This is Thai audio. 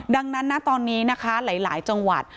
ดังนั้นนะตอนนี้นะคะหลายจังหวัด